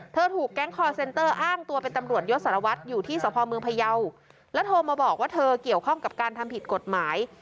ถูกแก๊งคอร์เซ็นเตอร์อ้างตัวเป็นตำรวจยศสารวัตรอยู่ที่สพเมืองพยาวแล้วโทรมาบอกว่าเธอเกี่ยวข้องกับการทำผิดกฎหมาย